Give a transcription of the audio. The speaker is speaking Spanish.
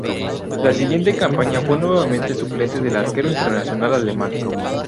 La siguiente campaña fue nuevamente suplente del arquero internacional alemán.